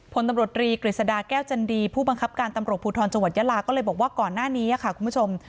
พลตำรวจรีกฤษฎาแก้วจันดีผู้บังคับการตำรวจภูทรจังหวัดยาลาก็เลยบอกว่าก่อนหน้านี้ค่ะคุณผู้ชม